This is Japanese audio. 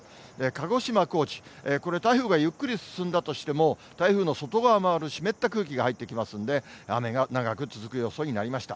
鹿児島、高知、これ、台風がゆっくり進んだとしても、台風の外側を回る湿った空気が入ってきますんで、雨が長く続く予想になりました。